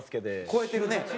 超えてるね。